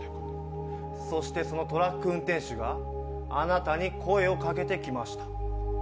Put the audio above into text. そしてそのトラック運転手があなたに声をかけてきました。